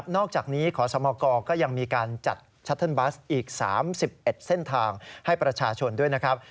อกจากนี้ขอสมกก็ยังมีการจัดชัตเทิร์นบัสอีก๓๑เส้นทางให้ประชาชนด้วยนะครับ